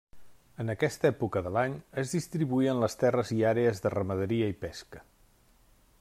En aquesta època de l'any es distribuïen les terres i àrees de ramaderia i pesca.